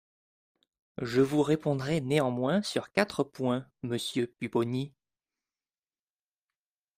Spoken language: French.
Je vous répondrez néanmoins sur quatre points, monsieur Pupponi.